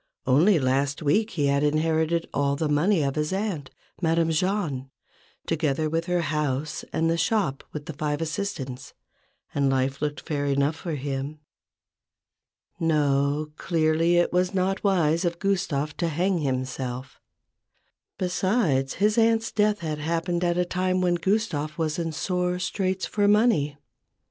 Only last week he had inherited all the money of his aunt, Madame Jahn, together with her house and the shop with the five assistants, and life looked fair enough for him. 78 A BOOK OF BARGAINS. No ; clearly it was not wise of Gustave to hang himself! Besides, his aunt's death had happened at a time when Gustave was in sore straits for money.